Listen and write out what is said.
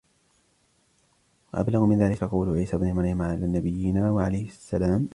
وَأَبْلَغُ مِنْ ذَلِكَ قَوْلُ عِيسَى ابْنِ مَرْيَمَ عَلَى نَبِيِّنَا وَعَلَيْهِ السَّلَامُ